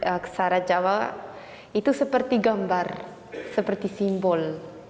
aksara jawa itu seperti gambar seperti simbol